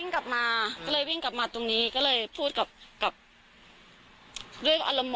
ก็เลยวิ่งกลับมาตรงนี้ก็เลยพูดกับด้วยอารมณ์โมโหนะคะ